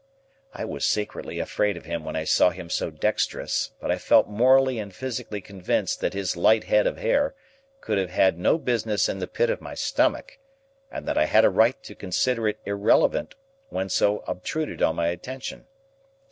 I was secretly afraid of him when I saw him so dexterous; but I felt morally and physically convinced that his light head of hair could have had no business in the pit of my stomach, and that I had a right to consider it irrelevant when so obtruded on my attention.